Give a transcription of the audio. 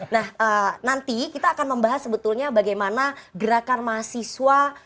nah nanti kita akan membahas sebetulnya bagaimana gerakan mahasiswa